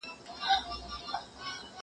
زه به اوږده موده مځکي ته کتلې وم!.